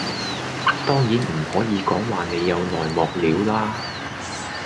當然唔可以講話你有內幕料啦